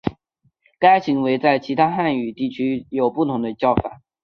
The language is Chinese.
该行为在其他汉语地区有不同的叫法。